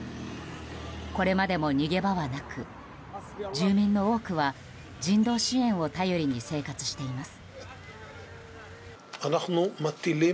これまでも逃げ場はなく住民の多くは人道支援を頼りに生活しています。